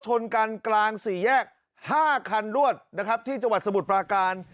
ชนกันกลางสี่แยก๕คันรวดนะครับที่จังหวัดสมุทรปราการ